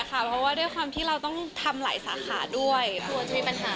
เพราะว่าด้วยความที่เราต้องทำหลายสาขาด้วย